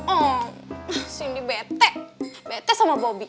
oh sindi bete bete sama bobby